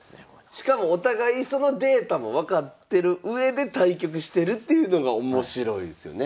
しかもお互いそのデータも分かってるうえで対局してるっていうのが面白いですよね。